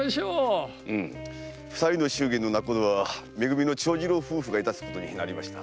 祝言の仲人はめ組の長次郎夫婦がいたすことになりました。